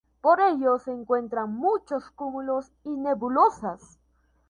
Por ello se encuentran muchos cúmulos y nebulosas.